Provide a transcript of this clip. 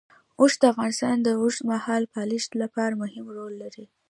اوښ د افغانستان د اوږدمهاله پایښت لپاره مهم رول لري.